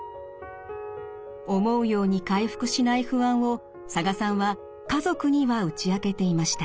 思うように回復しない不安を佐賀さんは家族には打ち明けていました。